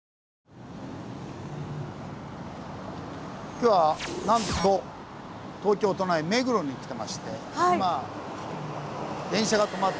今日はなんと東京都内目黒に来てまして。